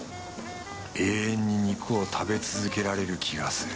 永遠に肉を食べ続けられる気がする